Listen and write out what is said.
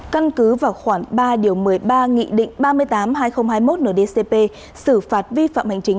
căn cứ vào khoảng ba điều một mươi ba nghị định ba mươi tám hai nghìn hai mươi một ndcp xử phạt vi phạm hành chính